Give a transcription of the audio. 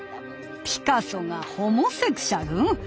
ピカソがホモセクシャル？